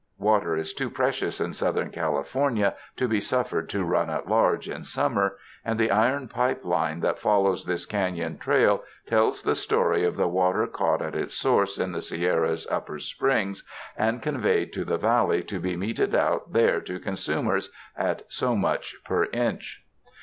Water is too precious in Southern California to be suffered to run at large in summer, and the iron pipe line that follows this cafion trail tells the story of the water caught at its source in the Sierra's upper springs and conveyed to the valley to be meted out there to consumers at so much per inch.